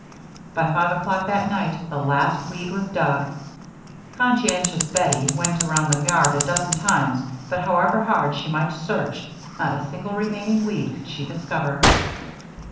By five o'clock that night the last weed was dug. Conscientious Bettie went around the yard a dozen times, but however hard she might search, not a single remaining weed could she discover.